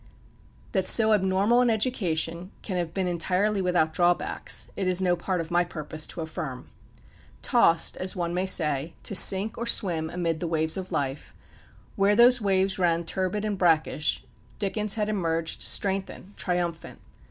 That so abnormal an education can have been entirely without drawbacks, it is no part of my purpose to affirm. Tossed, as one may say, to sink or swim amid the waves of life, where those waves ran turbid and brackish, Dickens had emerged strengthened, triumphant.